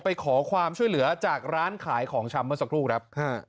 ไปขอความช่วยเหลือจากร้านขายของชำเมื่อสักครู่ครับ